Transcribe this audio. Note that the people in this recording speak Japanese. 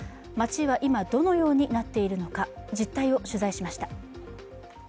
街は今、どのようになっているのか実態を取材しました。